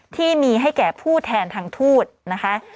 ที่มีให้แก่ผู้แทนทางทูตนะคะ